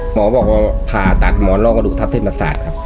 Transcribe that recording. หมอบอกว่าผ่าตัดหมอนรอกระดูกทับเส้นประสาทครับ